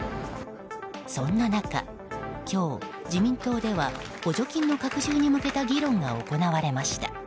そんな中、今日、自民党では補助金の拡充に向けた議論が行われました。